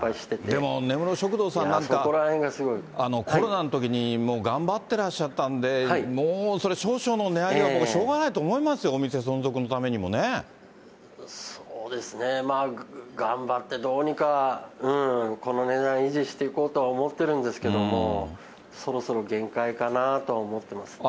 でも、根室食堂さんなんか、コロナのときに頑張ってらっしゃったんで、もうそれ、少々の値上げは僕はしょうがないと思いますよ、そうですね、頑張ってどうにか、この値段維持していこうとは思ってるんですけども、そろそろ限界かなとは思ってますね。